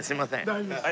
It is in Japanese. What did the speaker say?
大丈夫です。